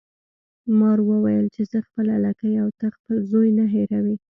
مار وویل چې زه خپله لکۍ او ته خپل زوی نه هیروي.